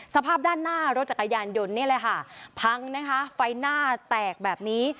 สภาพด้านหน้ารถจักรยานยนต์นี่แหละค่ะพังนะคะไฟหน้าแตกแบบนี้